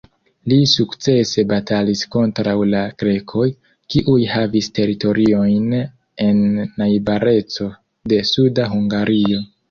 Li sukcese batalis kontraŭ la grekoj, kiuj havis teritoriojn en najbareco de suda Hungario.